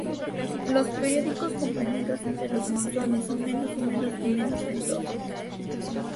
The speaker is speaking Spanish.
Los períodos comprendidos entre los monzones son menos húmedos y menos ventosos.